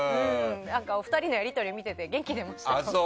お二人のやり取りを見てて元気出ました。